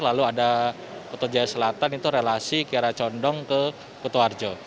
lalu ada kuto jaya selatan itu relasi kira condong ke kutoarjo